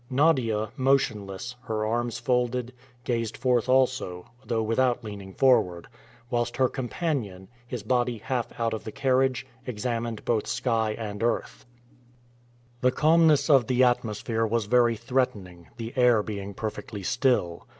Nadia, motionless, her arms folded, gazed forth also, though without leaning forward, whilst her companion, his body half out of the carriage, examined both sky and earth. The calmness of the atmosphere was very threatening, the air being perfectly still.